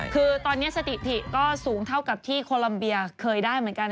คือตอนนี้สถิติก็สูงเท่ากับที่โคลัมเบียเคยได้เหมือนกัน